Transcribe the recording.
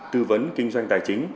tư vấn kinh doanh tài chính